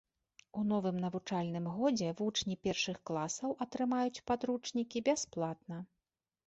У новым навучальным годзе вучні першых класаў атрымаюць падручнікі бясплатна.